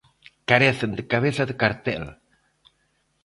Carecen de cabeza de cartel.